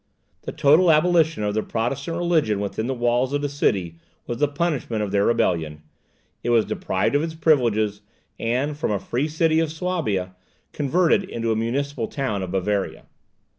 The total abolition of the Protestant religion within the walls of the city was the punishment of their rebellion; it was deprived of its privileges, and, from a free city of Suabia, converted into a municipal town of Bavaria.